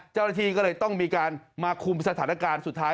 เจ้าหน้าที่ก็เลยต้องมีการมาคุมสถานการณ์สุดท้าย